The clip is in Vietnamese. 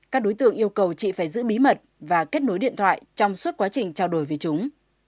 các đối tượng yêu cầu chị phải giữ bí mật và kết nối điện thoại trong suốt quá trình trao đổi với chúng